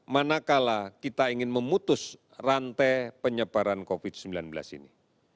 manakala kita ingin memutus rantai penyebaran covid sembilan belas ini